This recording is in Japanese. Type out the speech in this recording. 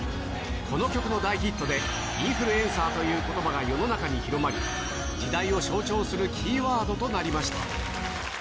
この曲の大ヒットで、インフルエンサーということばが世の中に広まり、時代を象徴するキーワードとなりました。